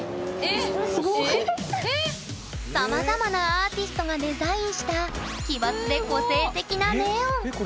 さまざまなアーティストがデザインした奇抜で個性的なネオン。